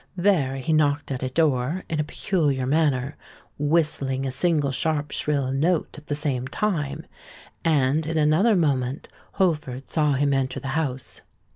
There he knocked at a door in a peculiar manner, whistling a single sharp shrill note at the same time; and in another moment Holford saw him enter the house.